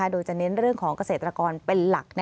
โดยจะเน้นเรื่องของเกษตรกรเป็นหลัก